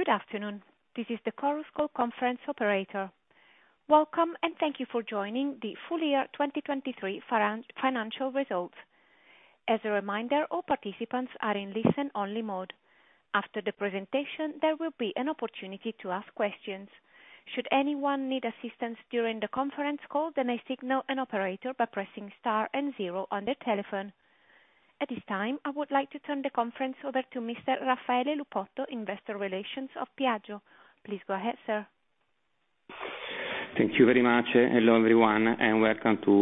Good afternoon. This is the Chorus Call conference operator. Welcome, and thank you for joining the full year 2023 financial results. As a reminder, all participants are in listen-only mode. After the presentation, there will be an opportunity to ask questions. Should anyone need assistance during the conference call, they may signal an operator by pressing star and zero on their telephone. At this time, I would like to turn the conference over to Mr. Raffaele Lupotto, Investor Relations of Piaggio. Please go ahead, sir. Thank you very much. Hello everyone, and welcome to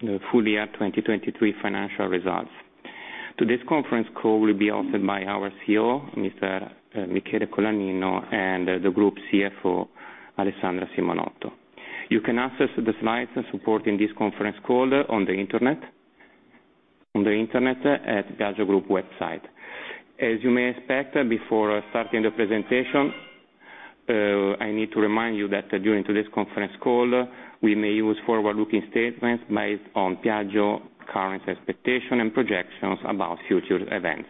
the full year 2023 financial results. Today's conference call will be hosted by our CEO, Mr. Michele Colaninno, and the group CFO, Alessandra Simonotto. You can access the slides and support in this conference call on the internet at Piaggio Group website. As you may expect, before starting the presentation, I need to remind you that during today's conference call, we may use forward-looking statements based on Piaggio current expectations and projections about future events.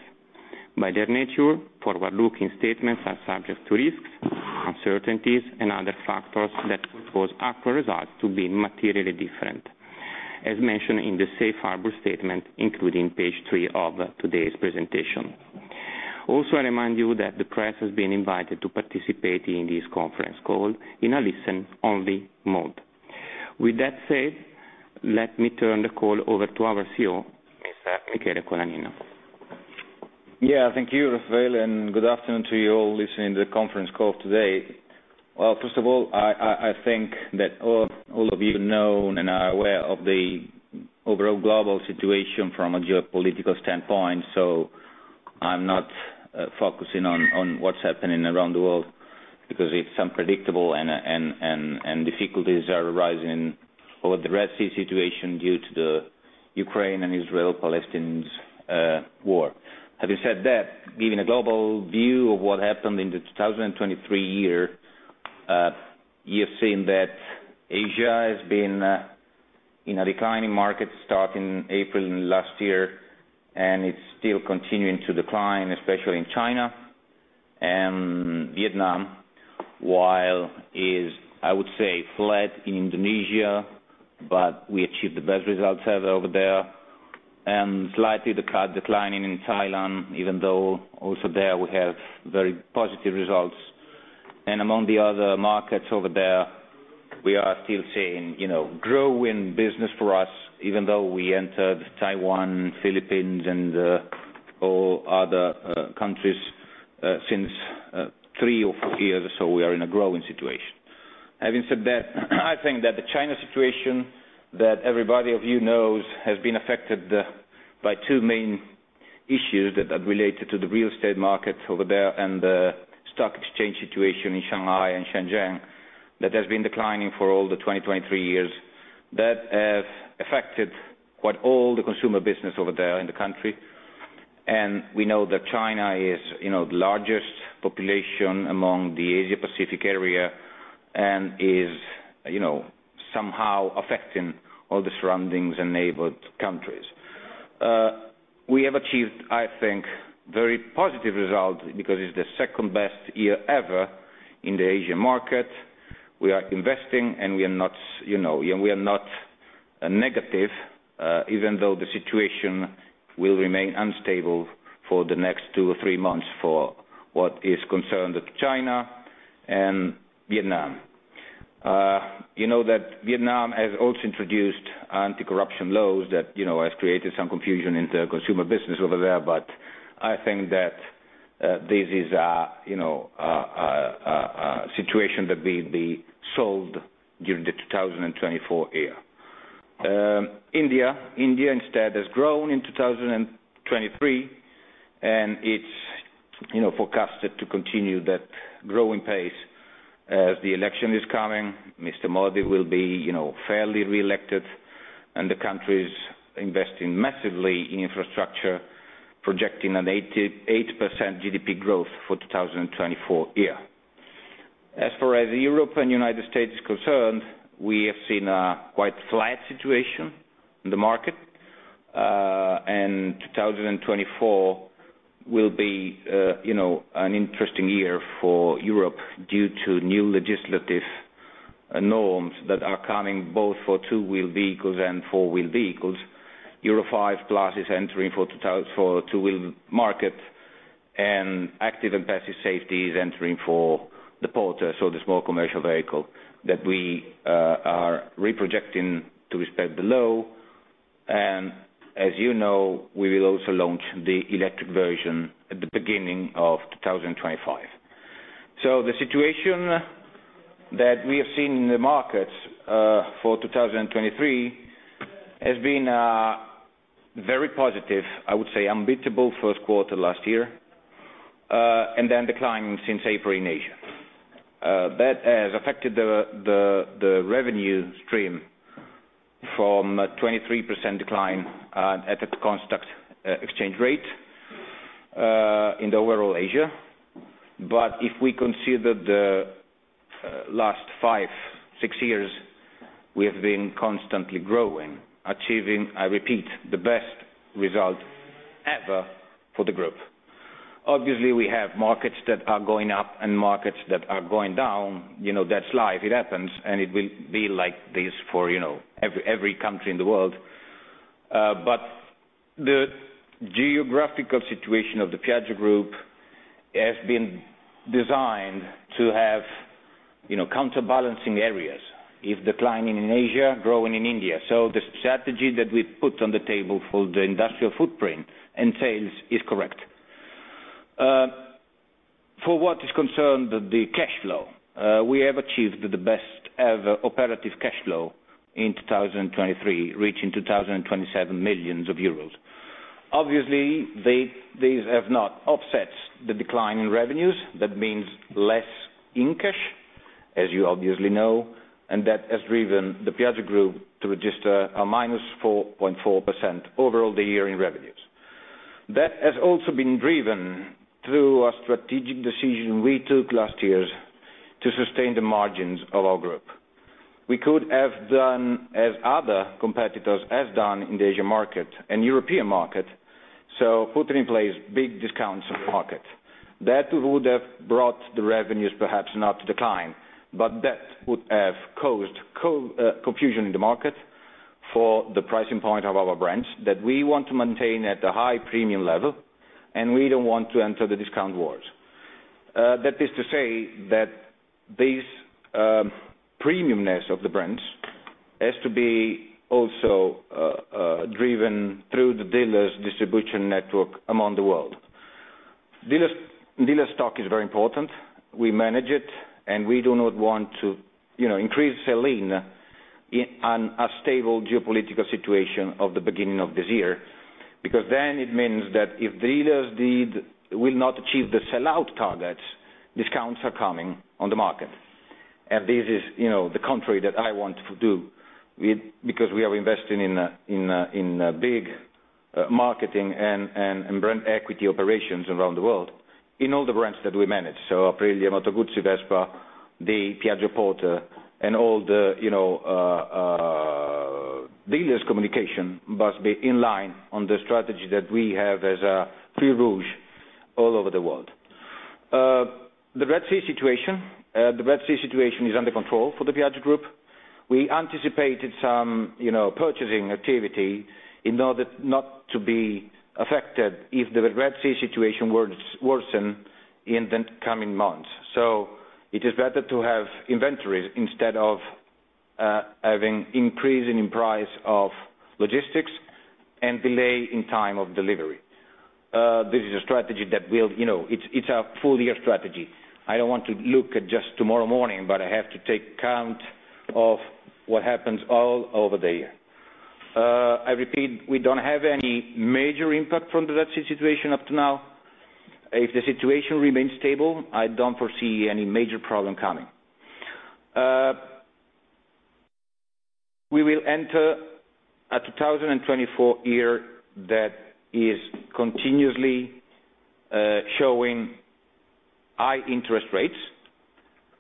By their nature, forward-looking statements are subject to risks, uncertainties, and other factors that could cause actual results to be materially different, as mentioned in the Safe Harbor statement, including page 3 of today's presentation. Also, I remind you that the press has been invited to participate in this conference call in a listen-only mode. With that said, let me turn the call over to our CEO, Mr. Michele Colaninno. Yeah, thank you, Raffaele, and good afternoon to you all listening to the conference call today. Well, first of all, I think that all of you know and are aware of the overall global situation from a geopolitical standpoint, so I'm not focusing on what's happening around the world because it's unpredictable, and difficulties are arising over the Red Sea situation due to the Ukraine and Israel-Palestinian war. Having said that, given a global view of what happened in the 2023 year, you've seen that Asia has been in a declining market starting April last year, and it's still continuing to decline, especially in China and Vietnam, while it's, I would say, flat in Indonesia, but we achieved the best results over there, and slightly declining in Thailand, even though also there we have very positive results. Among the other markets over there, we are still seeing growing business for us, even though we entered Taiwan, Philippines, and all other countries since three or four years or so, we are in a growing situation. Having said that, I think that the China situation that everybody of you knows has been affected by two main issues that are related to the real estate market over there and the stock exchange situation in Shanghai and Shenzhen that has been declining for all the 2023 years that have affected quite all the consumer business over there in the country. We know that China is the largest population among the Asia-Pacific area and is somehow affecting all the surroundings and neighboring countries. We have achieved, I think, very positive results because it's the second best year ever in the Asian market. We are investing, and we are not negative, even though the situation will remain unstable for the next two or three months for what is concerned with China and Vietnam. You know that Vietnam has also introduced anti-corruption laws that have created some confusion in the consumer business over there, but I think that this is a situation that will be solved during the 2024 year. India, India instead, has grown in 2023, and it's forecasted to continue that growing pace as the election is coming. Mr. Modi will be fairly reelected, and the country is investing massively in infrastructure, projecting an 8% GDP growth for the 2024 year. As far as Europe and the United States are concerned, we have seen a quite flat situation in the market, and 2024 will be an interesting year for Europe due to new legislative norms that are coming both for two-wheel vehicles and four-wheel vehicles. Euro 5+ is entering for the two-wheel market, and active and passive safety is entering for the Porter, so the small commercial vehicle, that we are reprojecting to respect the law. And as you know, we will also launch the electric version at the beginning of 2025. So the situation that we have seen in the markets for 2023 has been a very positive, I would say, unbeatable first quarter last year and then decline since April in Asia. That has affected the revenue stream from a 23% decline at the constant exchange rate in the overall Asia. But if we consider the last 5, 6 years, we have been constantly growing, achieving, I repeat, the best result ever for the group. Obviously, we have markets that are going up and markets that are going down. That's life. It happens, and it will be like this for every country in the world. But the geographical situation of the Piaggio Group has been designed to have counterbalancing areas, if declining in Asia, growing in India. So the strategy that we put on the table for the industrial footprint and sales is correct. For what is concerned, the cash flow, we have achieved the best-ever operative cash flow in 2023, reaching 2,027 million euros. Obviously, these have not offset the decline in revenues. That means less in cash, as you obviously know, and that has driven the Piaggio Group to register a -4.4% overall the year in revenues. That has also been driven through a strategic decision we took last years to sustain the margins of our group. We could have done as other competitors have done in the Asian market and European market, so putting in place big discounts on the market. That would have brought the revenues perhaps not to decline, but that would have caused confusion in the market for the pricing point of our brands that we want to maintain at a high premium level, and we don't want to enter the discount wars. That is to say that this premiumness of the brands has to be also driven through the dealer's distribution network among the world. Dealer stock is very important. We manage it, and we do not want to increase sell-in in a stable geopolitical situation of the beginning of this year because then it means that if dealers will not achieve the sell-out targets, discounts are coming on the market. This is the contrary that I want to do because we are investing in big marketing and brand equity operations around the world in all the brands that we manage. Aprilia Moto Guzzi, Vespa, the Piaggio Porter, and all the dealers' communication must be in line on the strategy that we have as a free route all over the world. The Red Sea situation is under control for the Piaggio Group. We anticipated some purchasing activity in order not to be affected if the Red Sea situation worsened in the coming months. So it is better to have inventory instead of having an increase in price of logistics and delay in time of delivery. This is a strategy that will, it's a full-year strategy. I don't want to look at just tomorrow morning, but I have to take account of what happens all over the year. I repeat, we don't have any major impact from the Red Sea situation up to now. If the situation remains stable, I don't foresee any major problem coming. We will enter a 2024 year that is continuously showing high interest rates,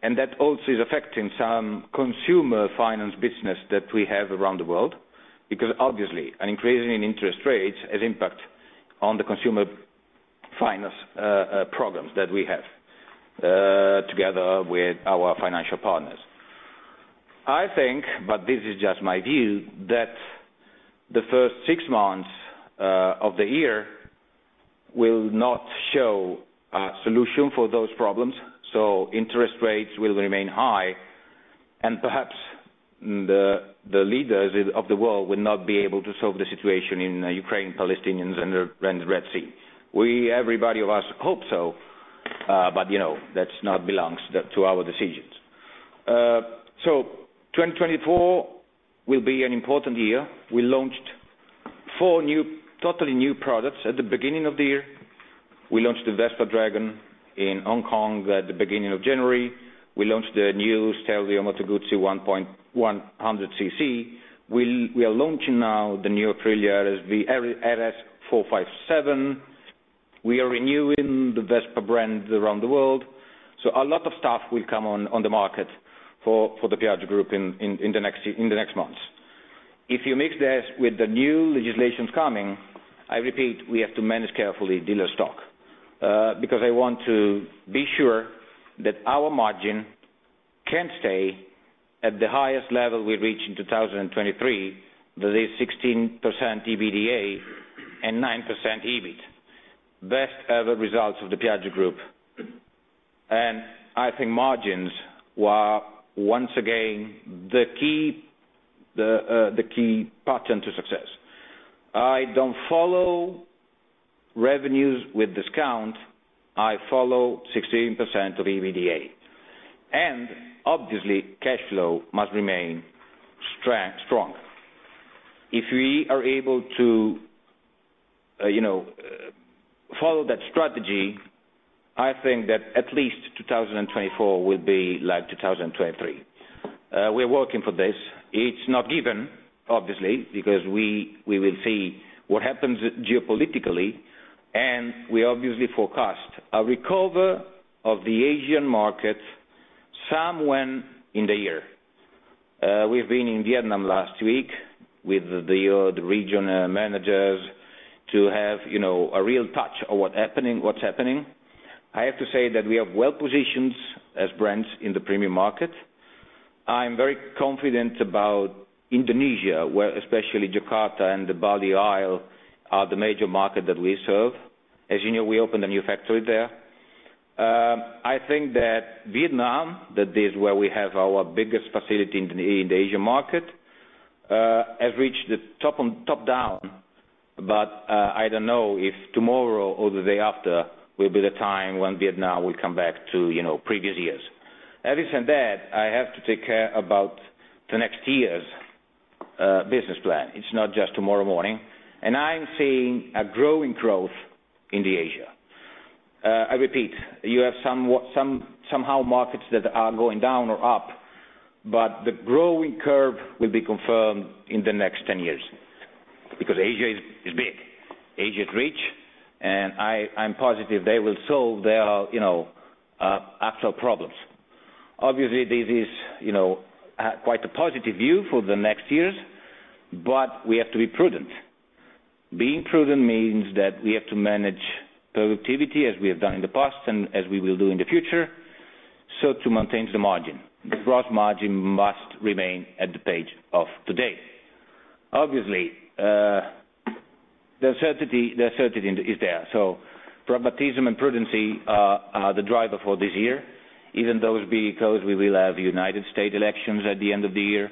and that also is affecting some consumer finance business that we have around the world because obviously, an increase in interest rates has an impact on the consumer finance programs that we have together with our financial partners. I think, but this is just my view, that the first six months of the year will not show a solution for those problems. So interest rates will remain high, and perhaps the leaders of the world will not be able to solve the situation in Ukraine, Palestinians, and the Red Sea. Everybody of us hope so, but that's not belongs to our decisions. So 2024 will be an important year. We launched four totally new products at the beginning of the year. We launched the Vespa Dragon in Hong Kong at the beginning of January. We launched the new Stelvio Moto Guzzi 100cc. We are launching now the new Aprilia RS 457. We are renewing the Vespa brand around the world. So a lot of stuff will come on the market for the Piaggio Group in the next months. If you mix this with the new legislations coming, I repeat, we have to manage carefully dealer stock because I want to be sure that our margin can stay at the highest level we reached in 2023, that is 16% EBITDA and 9% EBIT, best-ever results of the Piaggio Group. I think margins were once again the key pattern to success. I don't follow revenues with discount. I follow 16% of EBITDA. Obviously, cash flow must remain strong. If we are able to follow that strategy, I think that at least 2024 will be like 2023. We are working for this. It's not given, obviously, because we will see what happens geopolitically, and we obviously forecast a recovery of the Asian markets somewhere in the year. We've been in Vietnam last week with the region managers to have a real touch of what's happening. I have to say that we are well-positioned as brands in the premium market. I'm very confident about Indonesia, especially Jakarta and the Bali island are the major markets that we serve. As you know, we opened a new factory there. I think that Vietnam, that is where we have our biggest facility in the Asian market, has reached the top down, but I don't know if tomorrow or the day after will be the time when Vietnam will come back to previous years. Having said that, I have to take care about the next year's business plan. It's not just tomorrow morning. And I'm seeing a growing growth in Asia. I repeat, you have somehow markets that are going down or up, but the growing curve will be confirmed in the next 10 years because Asia is big. Asia is rich, and I'm positive they will solve their actual problems. Obviously, this is quite a positive view for the next years, but we have to be prudent. Being prudent means that we have to manage productivity as we have done in the past and as we will do in the future so to maintain the margin. The gross margin must remain at the pace of today. Obviously, the certainty is there. So pragmatism and prudence are the driver for this year, even though it will be because we will have United States elections at the end of the year.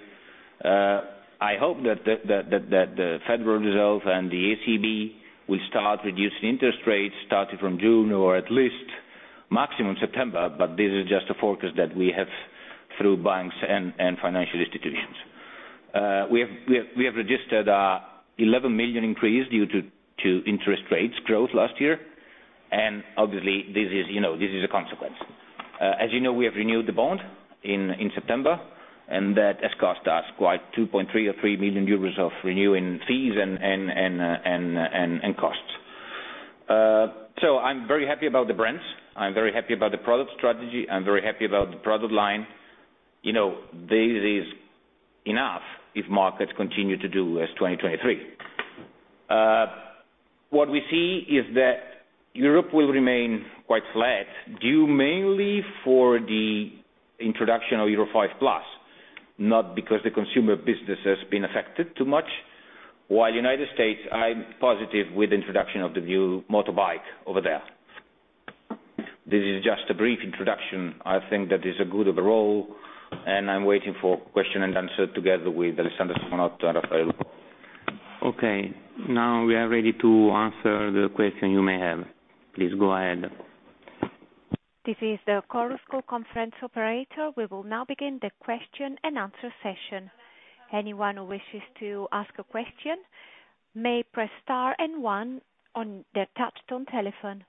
I hope that the Federal Reserve and the ECB will start reducing interest rates starting from June or at least maximum September, but this is just a forecast that we have through banks and financial institutions. We have registered an 11 million increase due to interest rates growth last year, and obviously, this is a consequence. As you know, we have renewed the bond in September, and that has cost us quite 2.3-3 million euros of renewing fees and costs. So I'm very happy about the brands. I'm very happy about the product strategy. I'm very happy about the product line. This is enough if markets continue to do as 2023. What we see is that Europe will remain quite flat, due mainly for the introduction of Euro 5+, not because the consumer business has been affected too much, while the United States. I'm positive with the introduction of the new motorbike over there. This is just a brief introduction. I think that is a good overall, and I'm waiting for question and answer together with Alessandra Simonotto and Raffaele Lupotto. Okay. Now we are ready to answer the question you may have. Please go ahead. This is the Chorus Call conference operator. We will now begin the question and answer session. Anyone who wishes to ask a question may press star and one on their touch-tone telephone.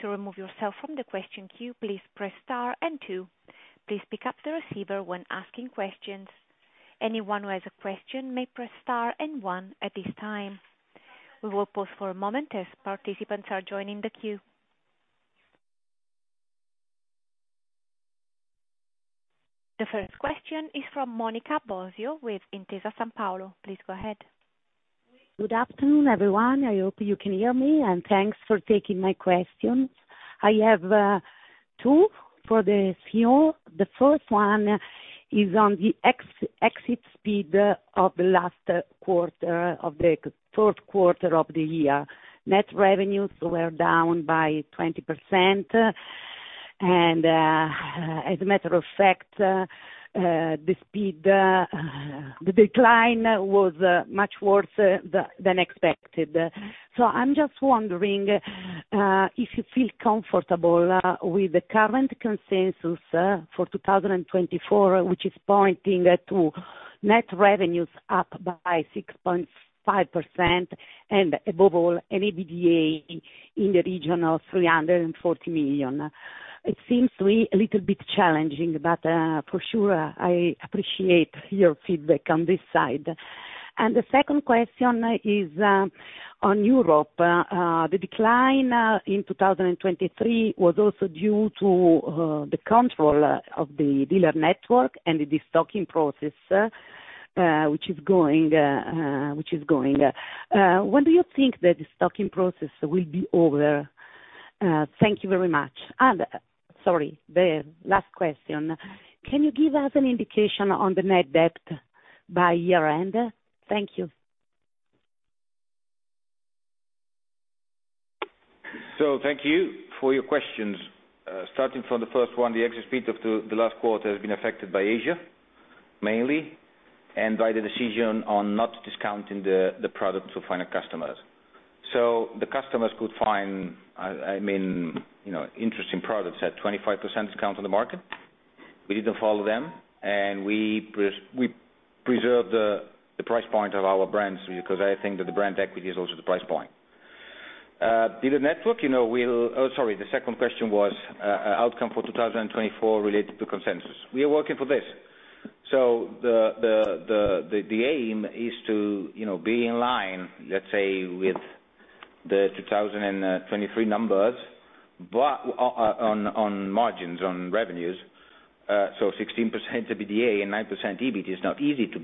To remove yourself from the question queue, please press star and two. Please pick up the receiver when asking questions. Anyone who has a question may press star and one at this time. We will pause for a moment as participants are joining the queue. The first question is from Monica Bosio with Intesa Sanpaolo. Please go ahead. Good afternoon, everyone. I hope you can hear me, and thanks for taking my questions. I have two for the fuel. The first one is on the exit speed of the last quarter of the fourth quarter of the year. Net revenues were down by 20%, and as a matter of fact, the decline was much worse than expected. So I'm just wondering if you feel comfortable with the current consensus for 2024, which is pointing to net revenues up by 6.5% and above all an EBITDA in the region of 340 million. It seems a little bit challenging, but for sure, I appreciate your feedback on this side. And the second question is on Europe. The decline in 2023 was also due to the control of the dealer network and the destocking process, which is going. When do you think that the stocking process will be over? Thank you very much. And sorry, the last question. Can you give us an indication on the net debt by year-end? Thank you. So thank you for your questions. Starting from the first one, the exit speed of the last quarter has been affected by Asia mainly and by the decision on not discounting the products of final customers. So the customers could find, I mean, interesting products at 25% discount on the market. We didn't follow them, and we preserved the price point of our brands because I think that the brand equity is also the price point. Dealer network will oh, sorry. The second question was outcome for 2024 related to consensus. We are working for this. So the aim is to be in line, let's say, with the 2023 numbers on margins, on revenues. So 16% EBITDA and 9% EBIT is not easy to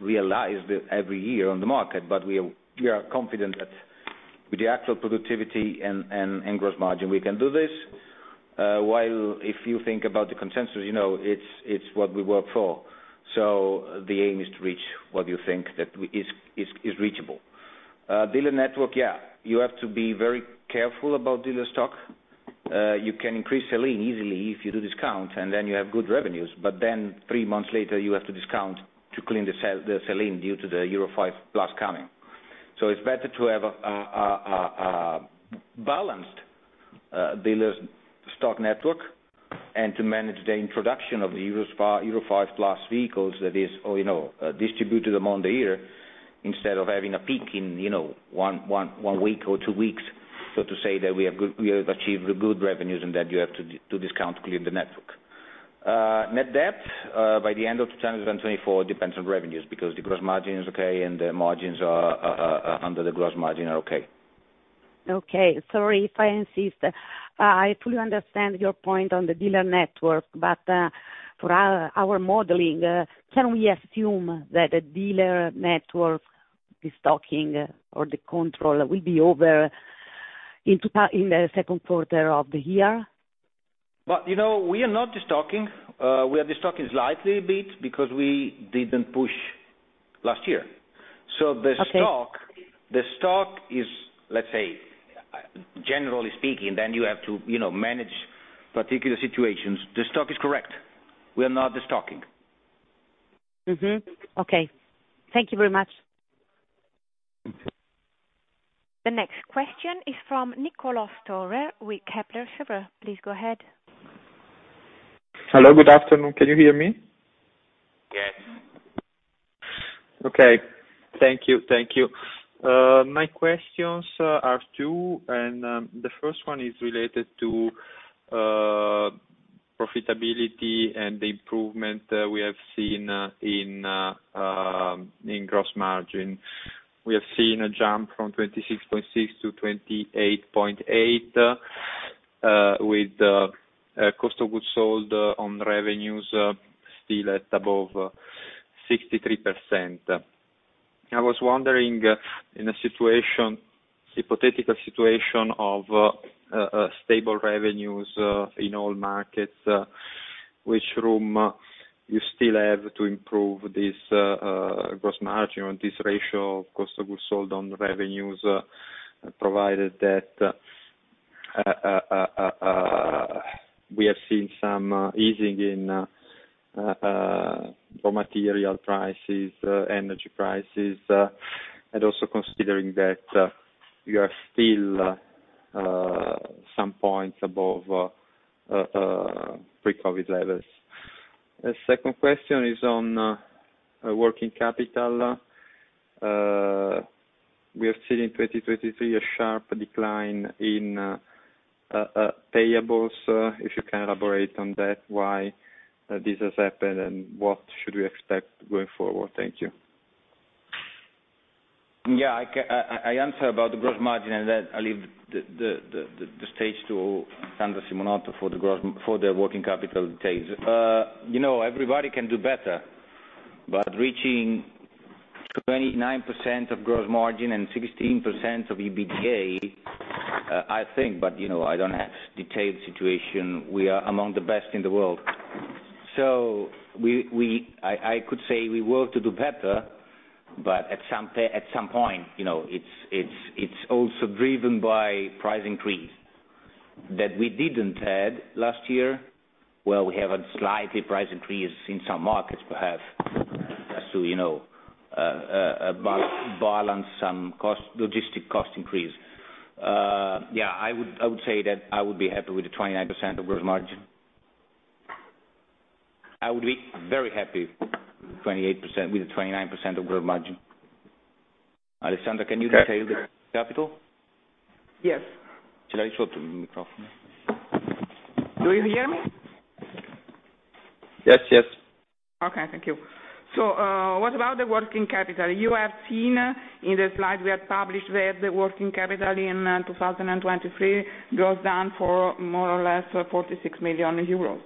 realize every year on the market, but we are confident that with the actual productivity and gross margin, we can do this. While if you think about the consensus, it's what we work for. So the aim is to reach what you think that is reachable. Dealer network, yeah, you have to be very careful about dealer stock. You can increase sell-in easily if you do discount, and then you have good revenues. But then three months later, you have to discount to clean the sell-in due to the Euro 5+ coming. So it's better to have a balanced dealer's stock network and to manage the introduction of the Euro 5+ vehicles that is distributed among the year instead of having a peak in one week or two weeks, so to say, that we have achieved good revenues and that you have to discount to clear the network. Net debt by the end of 2024 depends on revenues because the gross margin is okay and the margins under the gross margin are okay. Okay. Sorry if I insist. I fully understand your point on the dealer network, but for our modeling, can we assume that the dealer network destocking or the control will be over in the second quarter of the year? But we are not destocking. We are destocking slightly a bit because we didn't push last year. So the stock is, let's say, generally speaking, then you have to manage particular situations. The stock is correct. We are not destocking. Okay. Thank you very much. The next question is from Niccolò Storer with Kepler Cheuvreux. Please go ahead. Hello. Good afternoon. Can you hear me? Yes. Okay. Thank you. Thank you. My questions are two, and the first one is related to profitability and the improvement we have seen in gross margin. We have seen a jump from 26.6 to 28.8 with cost of goods sold on revenues still at above 63%. I was wondering, in a hypothetical situation of stable revenues in all markets, which room you still have to improve this gross margin or this ratio of cost of goods sold on revenues provided that we have seen some easing in raw material prices, energy prices, and also considering that you are still some points above pre-COVID levels. The second question is on working capital. We have seen in 2023 a sharp decline in payables. If you can elaborate on that, why this has happened, and what should we expect going forward? Thank you. Yeah. I answer about the gross margin, and then I leave the stage to Alessandra Simonotto for the working capital details. Everybody can do better, but reaching 29% of gross margin and 16% of EBITDA, I think, but I don't have detailed situation. We are among the best in the world. So I could say we work to do better, but at some point, it's also driven by price increase that we didn't have last year. Well, we have a slight price increase in some markets, perhaps, as to balance some logistic cost increase. Yeah. I would say that I would be happy with the 29% of gross margin. I would be very happy with the 29% of gross margin. Alessandra, can you detail the capital? Yes. Shall I switch to the microphone? Do you hear me? Yes. Yes. Okay. Thank you. So what about the working capital? You have seen in the slide we had published that the working capital in 2023 goes down for more or less 46 million euros,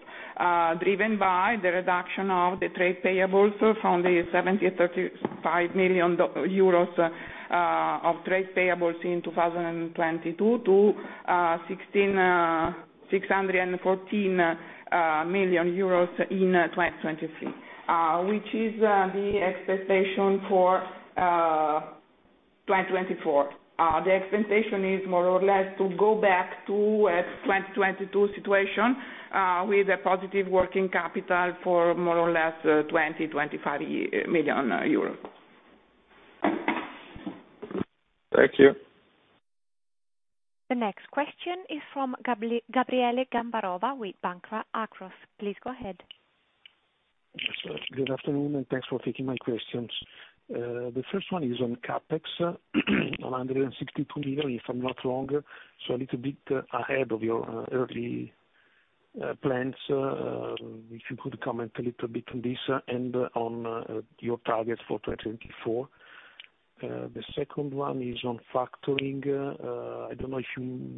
driven by the reduction of the trade payables from the 7,035 million euros of trade payables in 2022 to 1,614 million euros in 2023, which is the expectation for 2024. The expectation is more or less to go back to a 2022 situation with a positive working capital for more or less 20-25 million euros. Thank you. The next question is from Gabriele Gambarova with Banca Akros. Please go ahead. Good afternoon, and thanks for taking my questions. The first one is on CapEx, 162 million, if I'm not wrong, so a little bit ahead of your early plans. If you could comment a little bit on this and on your targets for 2024. The second one is on factoring. I don't know if you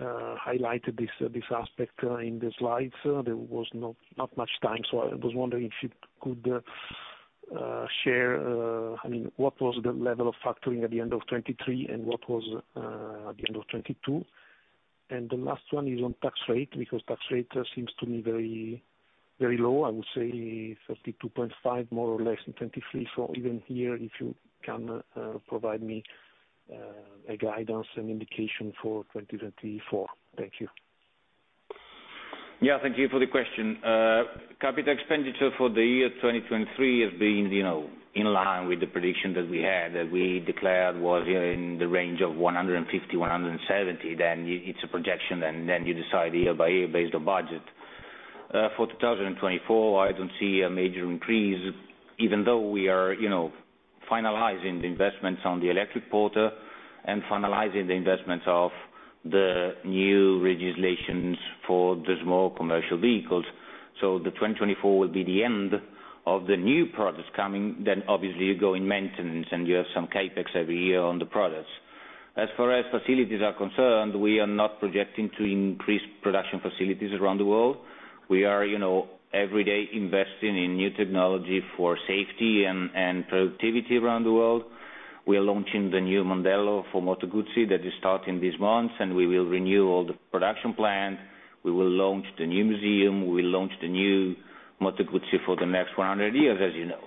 highlighted this aspect in the slides. There was not much time, so I was wondering if you could share, I mean, what was the level of factoring at the end of 2023 and what was at the end of 2022. And the last one is on tax rate because tax rate seems to me very low. I would say 32.5% more or less in 2023. So even here, if you can provide me a guidance and indication for 2024. Thank you. Yeah. Thank you for the question. Capital expenditure for the year 2023 has been in line with the prediction that we had, that we declared was in the range of 150-170. Then it's a projection, and then you decide year by year based on budget. For 2024, I don't see a major increase, even though we are finalizing the investments on the electric quarter and finalizing the investments of the new legislations for the small commercial vehicles. So the 2024 will be the end of the new products coming. Then, obviously, you go in maintenance, and you have some CapEx every year on the products. As far as facilities are concerned, we are not projecting to increase production facilities around the world. We are every day investing in new technology for safety and productivity around the world. We are launching the new Mandello for Moto Guzzi that is starting this month, and we will renew all the production plant. We will launch the new museum. We will launch the new Moto Guzzi for the next 100 years, as you know.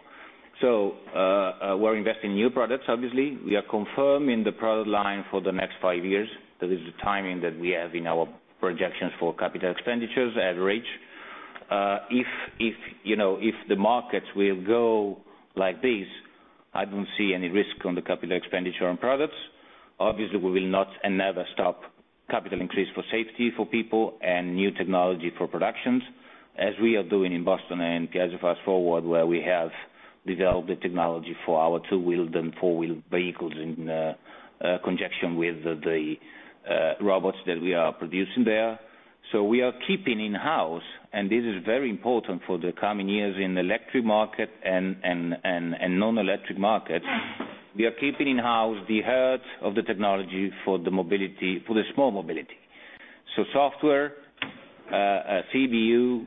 So we're investing in new products, obviously. We are confirmed in the product line for the next five years. That is the timing that we have in our projections for capital expenditures average. If the markets will go like this, I don't see any risk on the capital expenditure on products. Obviously, we will not and never stop capital increase for safety for people and new technology for productions, as we are doing in Boston and Piaggio Fast Forward, where we have developed the technology for our two-wheeled and four-wheeled vehicles in conjunction with the robots that we are producing there. So we are keeping in-house, and this is very important for the coming years in the electric market and non-electric markets. We are keeping in-house the heart of the technology for the small mobility, so software, CPU,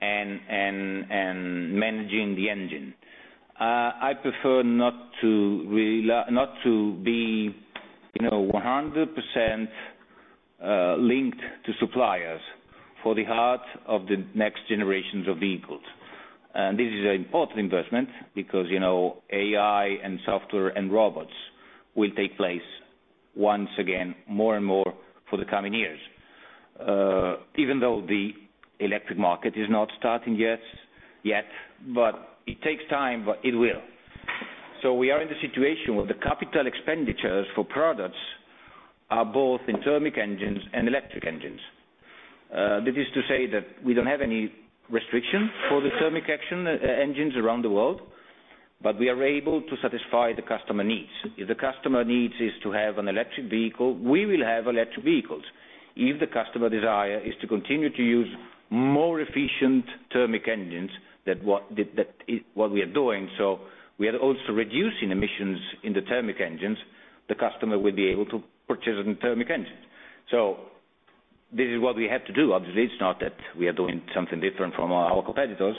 and managing the engine. I prefer not to be 100% linked to suppliers for the heart of the next generations of vehicles. This is an important investment because AI and software and robots will take place once again, more and more, for the coming years, even though the electric market is not starting yet, but it takes time, but it will. We are in the situation where the capital expenditures for products are both in thermic engines and electric engines. This is to say that we don't have any restriction for the thermic engines around the world, but we are able to satisfy the customer needs. If the customer needs is to have an electric vehicle, we will have electric vehicles. If the customer desire is to continue to use more efficient thermic engines than what we are doing, so we are also reducing emissions in the thermic engines, the customer will be able to purchase thermic engines. So this is what we have to do. Obviously, it's not that we are doing something different from our competitors,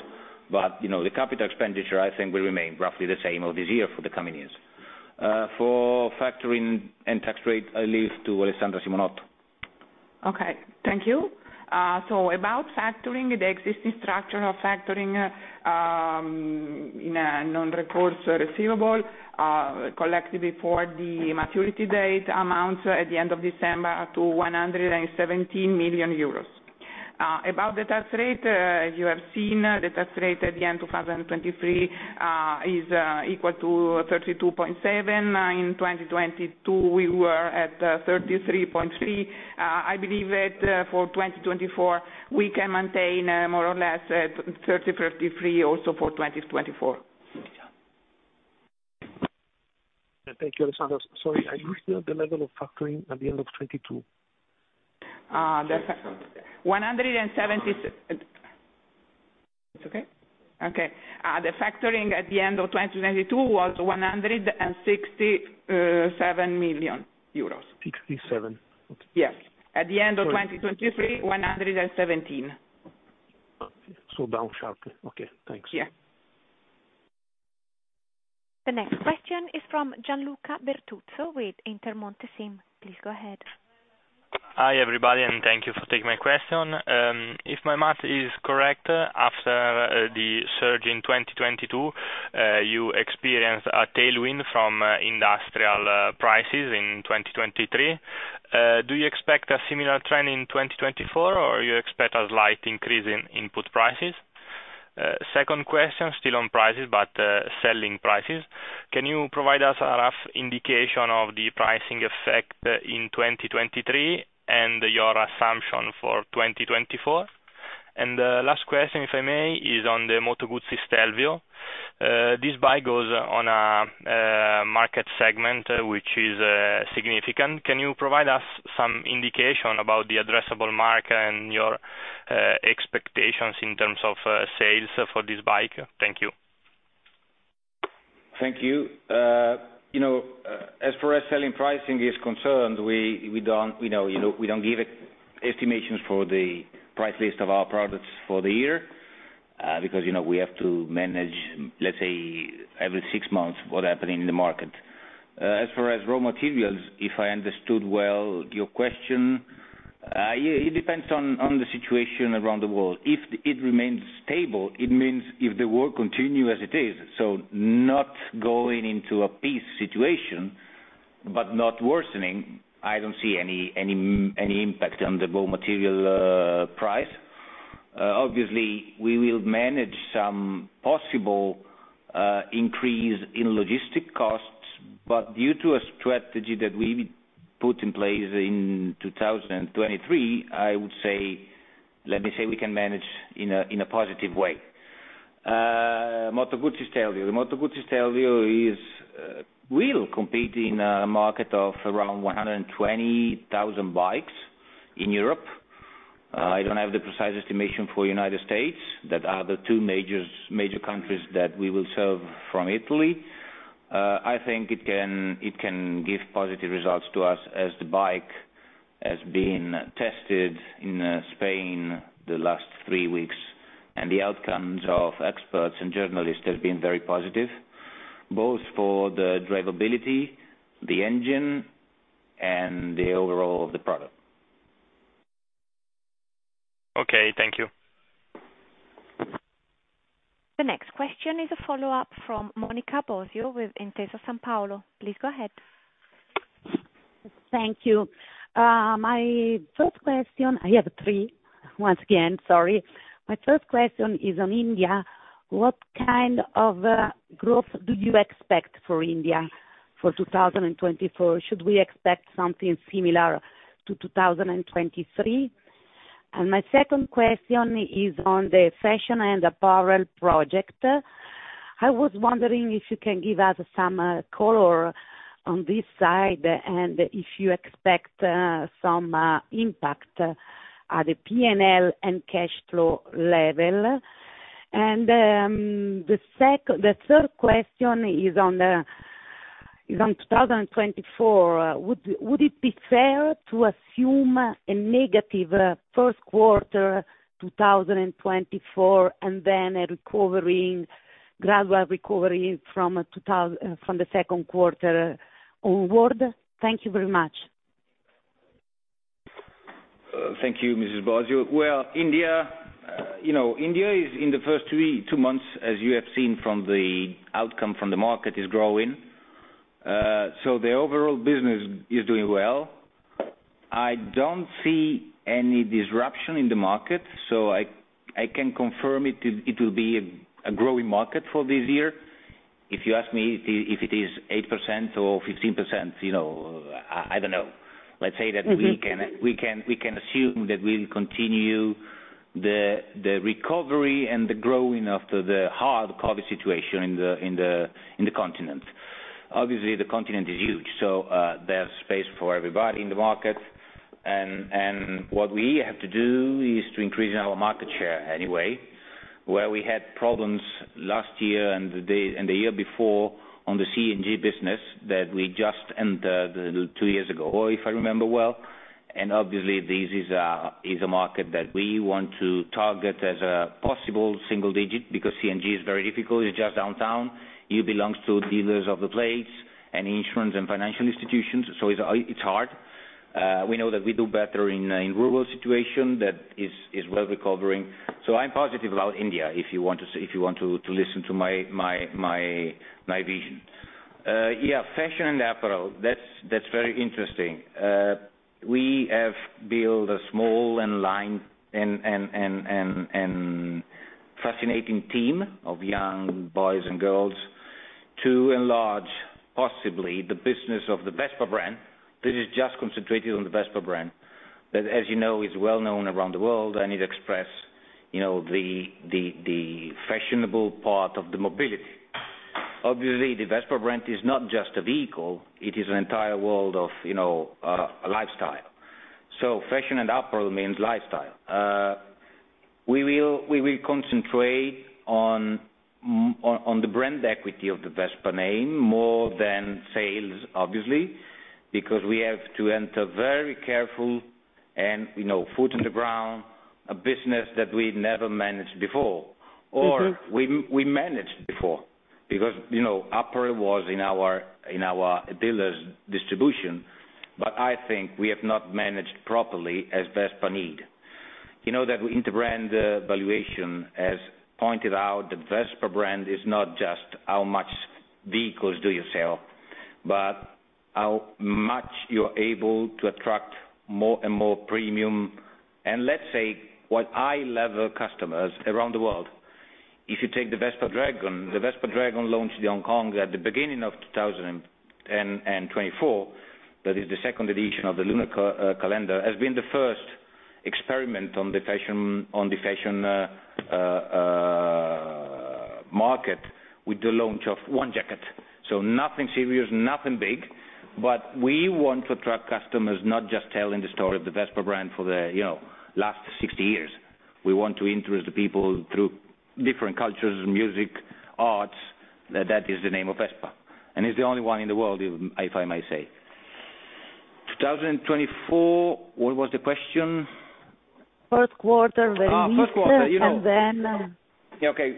but the capital expenditure, I think, will remain roughly the same of this year for the coming years. For factoring and tax rate, I leave to Alessandra Simonotto. Okay. Thank you. So about factoring, the existing structure of factoring in a non-recourse receivable collected before the maturity date amounts at the end of December to 117 million euros. About the tax rate, you have seen the tax rate at the end of 2023 is equal to 32.7%. In 2022, we were at 33.3%. I believe that for 2024, we can maintain more or less 30-33 also for 2024. Thank you, Alessandra. Sorry. I misheard the level of factoring at the end of 2022. 170 million. It's okay. Okay. The factoring at the end of 2022 was 167 million euros. 167. Yes. At the end of 2023, 117 million. So down sharply. Okay. Thanks. Yeah. The next question is from Gianluca Bertuzzo with Intermonte SIM. Please go ahead. Hi, everybody, and thank you for taking my question. If my math is correct, after the surge in 2022, you experienced a tailwind from industrial prices in 2023. Do you expect a similar trend in 2024, or you expect a slight increase in input prices? Second question, still on prices but selling prices. Can you provide us a rough indication of the pricing effect in 2023 and your assumption for 2024? The last question, if I may, is on the Moto Guzzi Stelvio. This bike goes on a market segment which is significant. Can you provide us some indication about the addressable market and your expectations in terms of sales for this bike? Thank you. Thank you. As far as selling pricing is concerned, we don't give estimations for the price list of our products for the year because we have to manage, let's say, every six months what's happening in the market. As far as raw materials, if I understood well your question, it depends on the situation around the world. If it remains stable, it means if the work continues as it is, so not going into a peace situation but not worsening, I don't see any impact on the raw material price. Obviously, we will manage some possible increase in logistic costs, but due to a strategy that we put in place in 2023, I would say let me say we can manage in a positive way. Moto Guzzi Stelvio. The Moto Guzzi Stelvio will compete in a market of around 120,000 bikes in Europe. I don't have the precise estimation for the United States. That are the two major countries that we will serve from Italy. I think it can give positive results to us as the bike has been tested in Spain the last three weeks, and the outcomes of experts and journalists have been very positive, both for the drivability, the engine, and the overall of the product. Okay. Thank you. The next question is a follow-up from Monica Bosio with Intesa Sanpaolo. Please go ahead. Thank you. My first question I have three, once again. Sorry. My first question is on India. What kind of growth do you expect for India for 2024? Should we expect something similar to 2023? And my second question is on the Fashion and Apparel project. I was wondering if you can give us some color on this side and if you expect some impact at the P&L and cash flow level. And the third question is on 2024. Would it be fair to assume a negative first quarter 2024 and then a gradual recovery from the second quarter onward? Thank you very much. Thank you, Mrs. Bosio. Well, India is in the first two months, as you have seen from the outcome from the market, is growing. So the overall business is doing well. I don't see any disruption in the market, so I can confirm it will be a growing market for this year. If you ask me if it is 8% or 15%, I don't know. Let's say that we can assume that we'll continue the recovery and the growing after the hard COVID situation in the continent. Obviously, the continent is huge, so there's space for everybody in the market. And what we have to do is to increase our market share anyway, where we had problems last year and the year before on the CNG business that we just entered two years ago, if I remember well. And obviously, this is a market that we want to target as a possible single digit because CNG is very difficult. It's just downtown. It belongs to dealers of the plates and insurance and financial institutions, so it's hard. We know that we do better in rural situations that is well recovering. So I'm positive about India if you want to listen to my vision. Yeah. Fashion and Apparel, that's very interesting. We have built a small and lean and fascinating team of young boys and girls to enlarge, possibly, the business of the Vespa brand. This is just concentrated on the Vespa brand that, as you know, is well known around the world, and it expresses the fashionable part of the mobility. Obviously, the Vespa brand is not just a vehicle. It is an entire world of lifestyle. So fashion and apparel means lifestyle. We will concentrate on the brand equity of the Vespa name more than sales, obviously, because we have to enter very carefully and foot in the ground, a business that we never managed before or we managed before because apparel was in our dealers' distribution, but I think we have not managed properly as Vespa need. That Interbrand valuation, as pointed out, the Vespa brand is not just how much vehicles do you sell but how much you're able to attract more and more premium and, let's say, what high-level customers around the world. If you take the Vespa Dragon, the Vespa Dragon launched in Hong Kong at the beginning of 2024. That is the second edition of the lunar calendar, has been the first experiment on the fashion market with the launch of one jacket. So nothing serious, nothing big, but we want to attract customers, not just telling the story of the Vespa brand for the last 60 years. We want to interest the people through different cultures, music, arts. That is the name of Vespa, and it's the only one in the world, if I may say. 2024, what was the question? First quarter, very weak. First quarter. And then. Okay.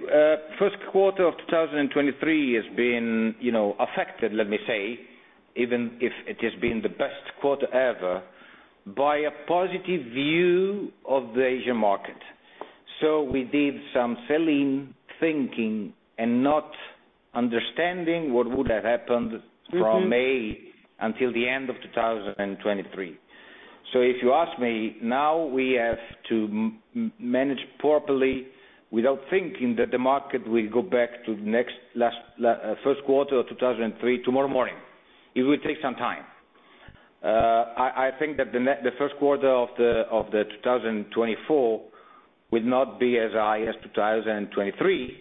First quarter of 2023 has been affected, let me say, even if it has been the best quarter ever, by a positive view of the Asian market. So we did some selling thinking and not understanding what would have happened from May until the end of 2023. So if you ask me, now we have to manage properly without thinking that the market will go back to the first quarter of 2003 tomorrow morning. It will take some time. I think that the first quarter of 2024 will not be as high as 2023.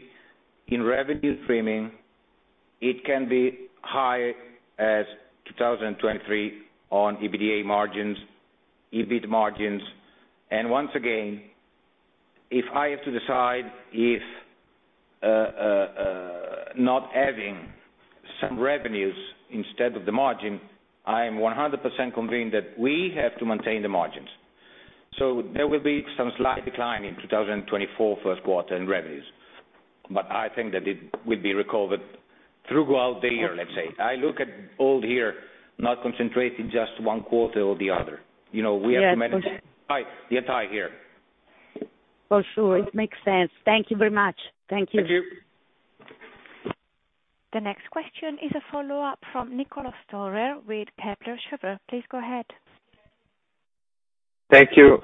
In revenue streaming, it can be high as 2023 on EBITDA margins, EBIT margins. And once again, if I have to decide if not having some revenues instead of the margin, I am 100% convinced that we have to maintain the margins. So there will be some slight decline in 2024 first quarter in revenues, but I think that it will be recovered throughout the year, let's say. I look at all the year, not concentrating just one quarter or the other. We have to manage the entire year. For sure. It makes sense. Thank you very much. Thank you. Thank you. The next question is a follow-up from Niccolò Storer with Kepler Cheuvreux. Please go ahead. Thank you.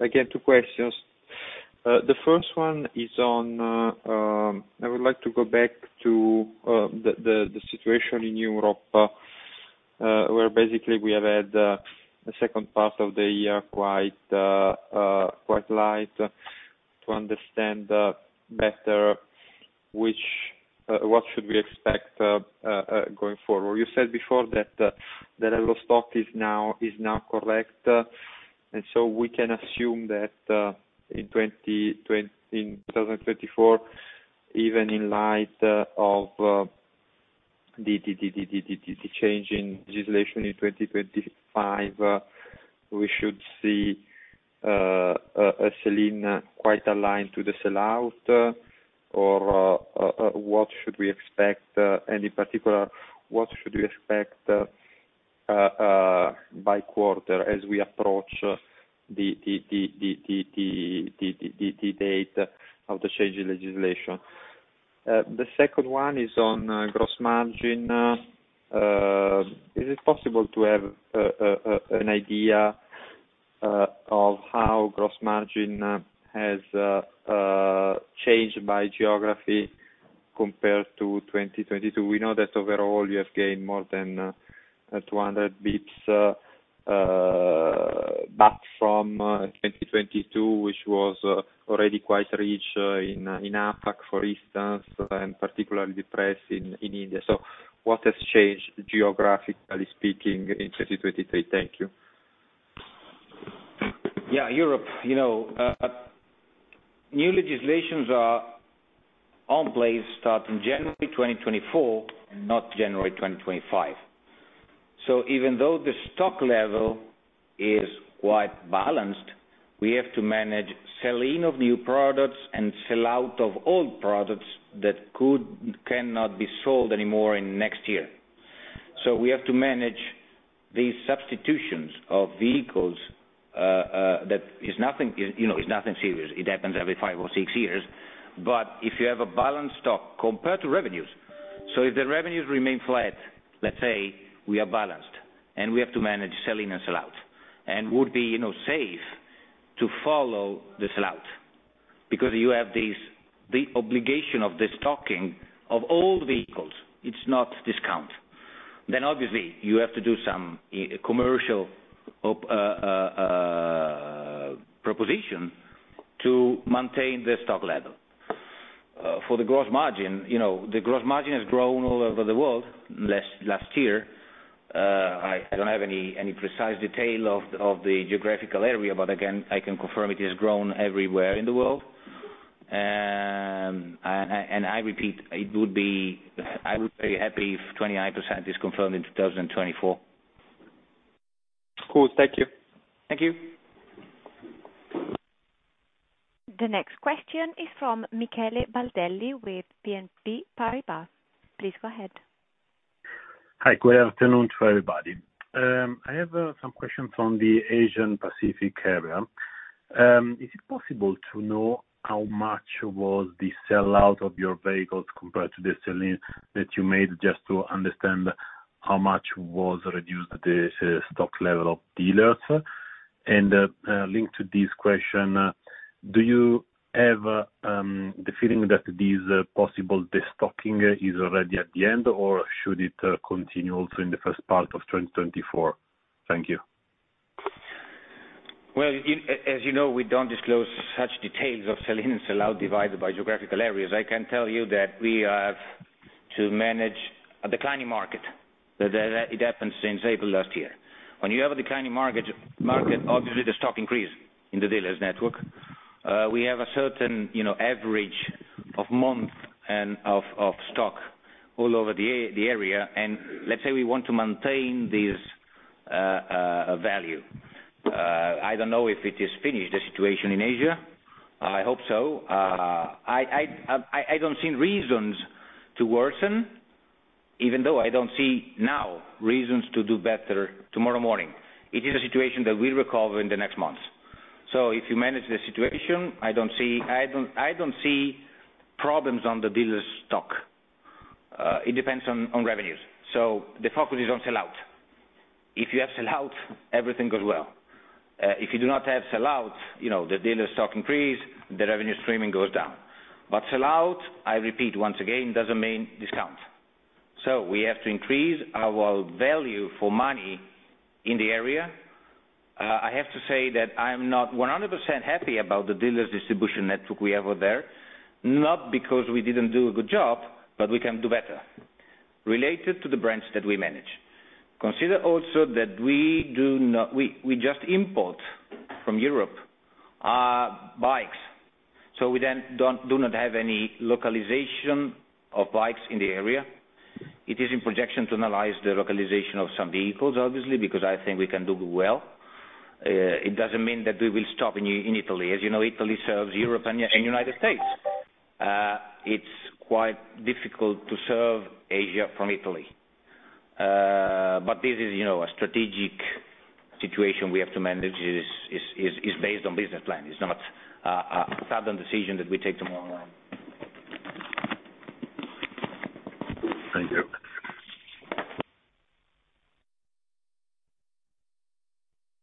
Again, two questions. The first one is on. I would like to go back to the situation in Europe where, basically, we have had a second part of the year quite light to understand better what should we expect going forward. You said before that the level of stock is now correct, and so we can assume that in 2024, even in light of the change in legislation in 2025, we should see a sell-in quite aligned to the sell-out or what should we expect and, in particular, what should we expect by quarter as we approach the date of the change in legislation. The second one is on gross margin. Is it possible to have an idea of how gross margin has changed by geography compared to 2022? We know that, overall, you have gained more than 200 basis points back from 2022, which was already quite rich in APAC, for instance, and particularly depressed in India. So what has changed, geographically speaking, in 2023? Thank you. Yeah. Europe, new legislation is in place starting January 2024 and not January 2025. So even though the stock level is quite balanced, we have to manage sell-in of new products and sell-out of old products that cannot be sold anymore in next year. So we have to manage these substitutions of vehicles that is nothing serious. It happens every five or six years, but if you have a balanced stock compared to revenues so if the revenues remain flat, let's say we are balanced and we have to manage sell-in and sell-out and would be safe to follow the sell-out because you have the obligation of the stocking of old vehicles. It's not discount. Then, obviously, you have to do some commercial proposition to maintain the stock level. For the gross margin, the gross margin has grown all over the world last year. I don't have any precise detail of the geographical area, but again, I can confirm it has grown everywhere in the world. I repeat, I would be very happy if 29% is confirmed in 2024. Cool. Thank you. Thank you. The next question is from Michele Baldelli with BNP Paribas. Please go ahead. Hi. Good afternoon to everybody. I have some questions on the Asian-Pacific area. Is it possible to know how much was the sell-out of your vehicles compared to the selling that you made just to understand how much was reduced the stock level of dealers? And linked to this question, do you have the feeling that this possible destocking is already at the end, or should it continue also in the first part of 2024? Thank you. Well, as you know, we don't disclose such details of sell-in and sell-out divided by geographical areas. I can tell you that we have to manage a declining market. It happened since April last year. When you have a declining market, obviously, the stock increases in the dealer's network. We have a certain average of month and of stock all over the area, and let's say we want to maintain this value. I don't know if it is finished, the situation in Asia. I hope so. I don't see reasons to worsen, even though I don't see now reasons to do better tomorrow morning. It is a situation that will recover in the next months. So if you manage the situation, I don't see problems on the dealer's stock. It depends on revenues. So the focus is on sell-out. If you have sell-out, everything goes well. If you do not have sell-out, the dealer's stock increases. The revenue streaming goes down. Sell-out, I repeat once again, doesn't mean discount. We have to increase our value for money in the area. I have to say that I am not 100% happy about the dealer's distribution network we have over there, not because we didn't do a good job, but we can do better related to the brands that we manage. Consider also that we just import from Europe bikes, so we then do not have any localization of bikes in the area. It is in projection to analyze the localization of some vehicles, obviously, because I think we can do well. It doesn't mean that we will stop in Italy. As you know, Italy serves Europe and the United States. It's quite difficult to serve Asia from Italy, but this is a strategic situation we have to manage. It is based on business plan. It's not a sudden decision that we take tomorrow. Thank you.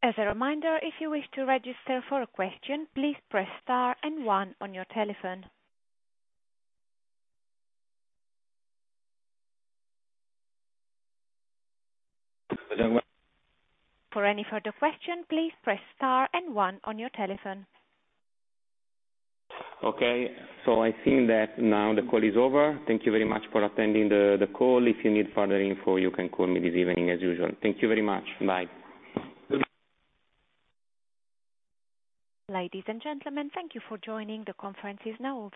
As a reminder, if you wish to register for a question, please press star and one on your telephone. For any further question, please press star and one on your telephone. Okay. I think that now the call is over. Thank you very much for attending the call. If you need further info, you can call me this evening, as usual. Thank you very much. Bye. Ladies and gentlemen, thank you for joining. The conference is now over.